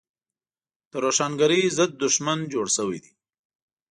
د روښانګرۍ ضد دښمن جوړ شوی دی.